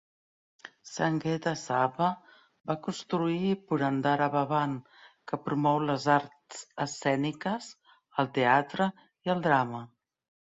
Sangeetha Sabha va construir Purandhara Bhavan que promou les arts escèniques, el teatre i el drama.